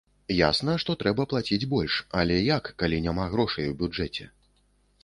Ясна, што трэба плаціць больш, але як, калі няма грошай у бюджэце?